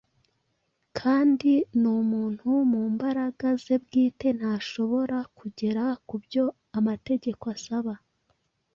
kandi n’umuntu mu mbaraga ze bwite ntashobora kugera ku byo amategeko asaba.